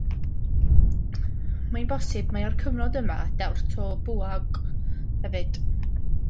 Mae'n bosib mai o'r cyfnod yma y daw'r to bwaog hefyd.